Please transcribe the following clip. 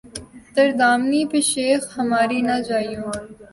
''تر دامنی پہ شیخ ہماری نہ جائیو